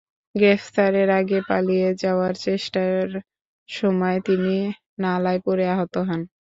গ্রেপ্তারের আগে পালিয়ে যাওয়ার চেষ্টার সময় তিনি নালায় পড়ে আহত হন।